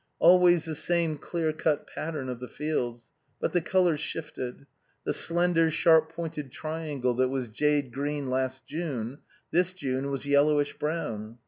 Always the same clear cut pattern of the fields; but the colors shifted. The slender, sharp pointed triangle that was jade green last June, this June was yellow brown.